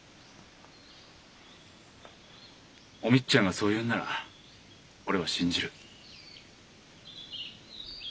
お美津ちゃんがそう言うんなら俺は信じる。